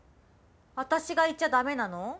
私がいちゃダメなの？